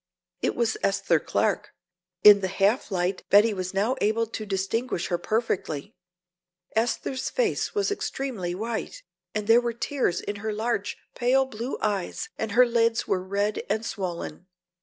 It was Esther Clark. In the half light Betty was now able to distinguish her perfectly. Esther's face was extremely white, there were tears in her large pale blue eyes and her lids were red and swollen.